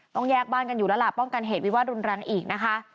ต้องแยกบ้านกันอยู่แล้วล่ะป้องกันเหตุวิวาสรุนแรงอีกนะคะ